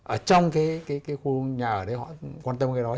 ở trong cái khu nhà ở đấy họ quan tâm cái đó